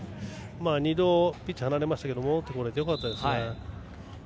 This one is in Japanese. ２度、ピッチを離れましたが戻ってこれてよかったです。